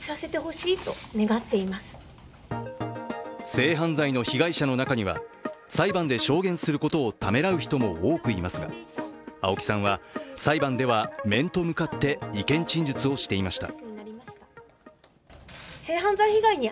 性犯罪の被害者の中には裁判で証言することをためらう人も多くいますが青木さんは裁判では面と向かって意見陳述をしていました。